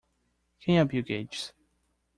Quem é Bill Gates?